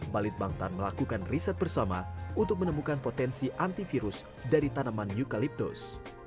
balit bangtan melakukan riset bersama untuk menemukan potensi antivirus dari tanaman eukaliptus